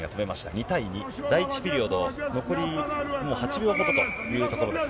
２対２、第１ピリオド、残りもう８秒ほどというところです。